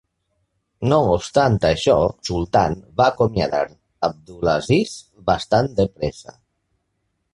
No obstant això, Sultan va acomiadar Abdulaziz bastant de pressa.